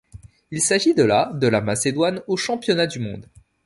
Il s'agit de la de la Macédoine aux Championnats du monde.